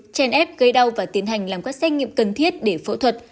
chèn ép gây đau và tiến hành làm các xét nghiệm cần thiết để phẫu thuật